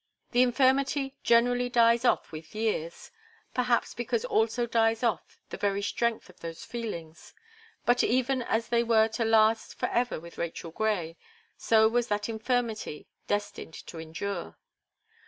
The infirmity generally dies off with years, perhaps because also dies off the very strength of those feelings; but even as they were to last for ever with Rachel Gray, so was that infirmity destined to endure.